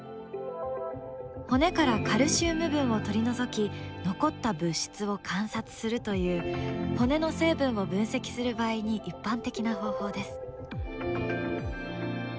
骨からカルシウム分を取り除き残った物質を観察するという骨の成分を分析する場合に一般的な方法です。